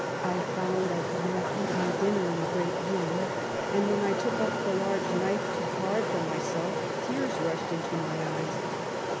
I found I could not eat my dinner in the great room, and when I took up the large knife* to carve for myself, tears rushed into my eyes.